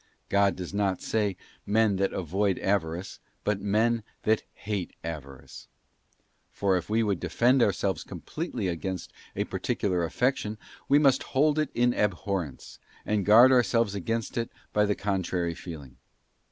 God does not say men that avoid avarice, but men that hate avarice. For if we would de fend ourselves completely against a particular affection we must hold it in abhorrence, and guard ourselves against it by the contrary feeling.